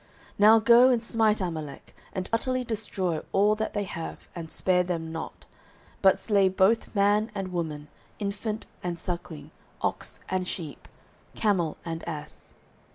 09:015:003 Now go and smite Amalek, and utterly destroy all that they have, and spare them not; but slay both man and woman, infant and suckling, ox and sheep, camel and ass.